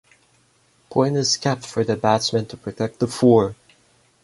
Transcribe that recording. Point is kept for that batsmen to protect the four.